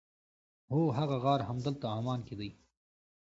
هو هغه غار همدلته عمان کې دی.